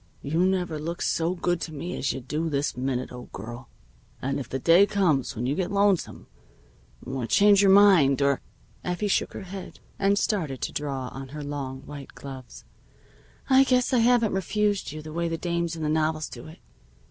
"You never looked so good to me as you do this minute, old girl. And if the day comes when you get lonesome or change your mind or " Effie shook her head, and started to draw on her long white gloves. "I guess I haven't refused you the way the dames in the novels do it.